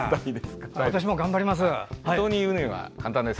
私も頑張ります。